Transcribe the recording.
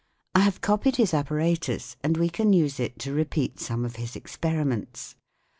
I have copied his apparatus, and we can use it to repeat some of his experiments.